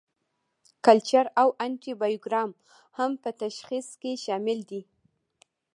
کلچر او انټي بایوګرام هم په تشخیص کې شامل دي.